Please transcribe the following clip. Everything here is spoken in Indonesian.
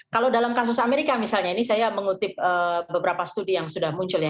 kalau dalam kasus amerika misalnya ini saya mengutip beberapa studi yang sudah muncul ya